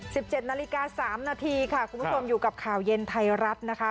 สิบเจ็ดนาฬิกาสามนาทีค่ะคุณผู้ชมอยู่กับข่าวเย็นไทยรัฐนะคะ